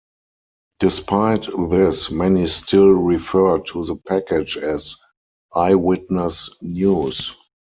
Despite this, many still refer to the package as "Eyewitness News".